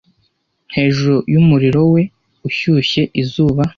Hejuru yumuriro we ushyushye izuba--